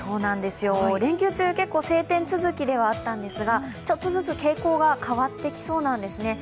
連休中、結構晴天続きではあったんですがちょっとずつ傾向が変わってきそうなんですね。